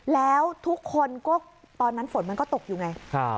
แล้วทุกคนก็ตอนนั้นฝนมันก็ตกอยู่ไง